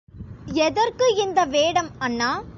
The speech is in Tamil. எதற்கு இந்த வேடம் அண்ணா?